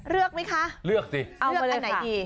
เลือกไหมคะเลือกเอาไหนดี